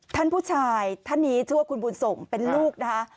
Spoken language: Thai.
ท่านผู้ชายท่านนี้ชื่อว่าคุณบุญส่งเป็นลูกนะคะ